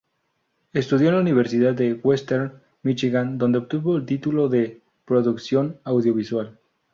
Estudió en la Universidad de Western Michigan, donde obtuvo el título de Producción Audiovisual.